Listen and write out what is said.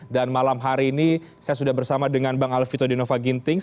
dan malam hari ini saya sudah bersama dengan bang alvito dinova gintings